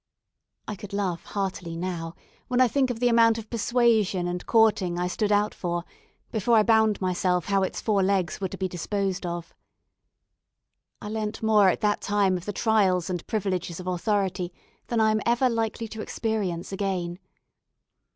I could laugh heartily now, when I think of the amount of persuasion and courting I stood out for before I bound myself how its four legs were to be disposed of. I learnt more at that time of the trials and privileges of authority than I am ever likely to experience again.